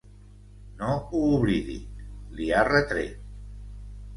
No ho oblidi, li ha retret.